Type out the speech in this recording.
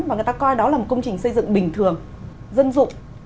mà người ta coi đó là một công trình xây dựng bình thường dân dụng